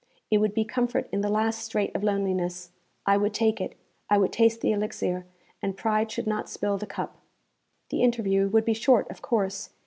It would be comfort in the last strait of loneliness. I would take it I would taste the elixir, and pride should not spill the cup. The interview would be short, of course.